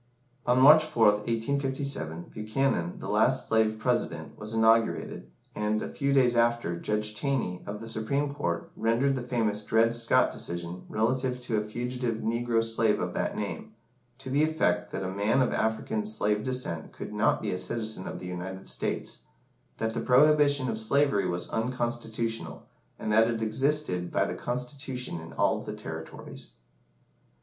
On March 4th, 1857, Buchanan, the last Slave President, was inaugurated, and, a few days after, Judge Taney, of the Supreme Court, rendered the famous "Dred Scott" decision relative to a fugitive negro slave of that name, to the effect that a man of African slave descent could not be a citizen of the United States that the prohibition of slavery was unconstitutional, and that it existed by the Constitution in all the territories.